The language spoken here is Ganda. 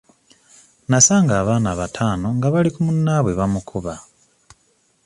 Nasanga abaana bataano nga bali ku munnaabwe bamukuba.